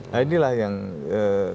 nah inilah yang terlalu longgar